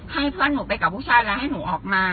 ให้เพื่อนหนูไปกับผู้ชายแล้วให้หนูออกมา